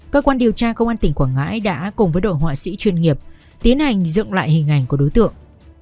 cơ quan điều tra công an tỉnh quảng ngãi đã cùng với đội họa sĩ chuyên nghiệp tiến hành dựng lại hình ảnh của đối tượng